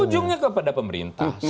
ujungnya kepada pemerintah